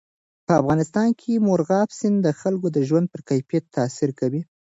په افغانستان کې مورغاب سیند د خلکو د ژوند په کیفیت تاثیر کوي.